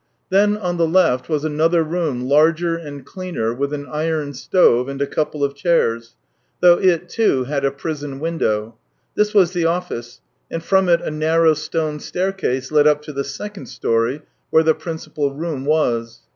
Then on the left was another room, larger and cleaner, with an iron stove and a couple of chairs, though it, too, had a prison window: this was the office, and from it a narrow stone staircase led up to the second storey, where the principal room was.